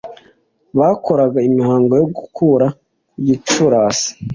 bakoraga imihango yo gukura gicurasi